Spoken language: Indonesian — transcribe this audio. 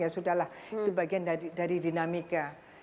ya sudah lah itu bagian dari dinamika